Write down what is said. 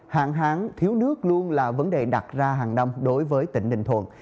hàng hán thiếu nước luôn là vấn đề đặt ra hàng năm đối với tỉnh đình thuận